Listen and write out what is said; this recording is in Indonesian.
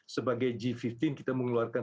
sebagai g lima puluh kita mengeluarkan